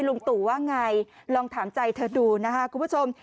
ลุงตู่ว่าไงลองถามใจเธอดูนะคะคุณผู้ชม